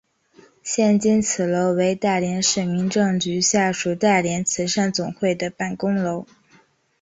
现今此楼为大连市民政局下属大连慈善总会的办公楼。